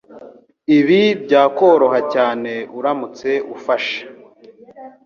Ibi byakoroha cyane uramutse ufashe.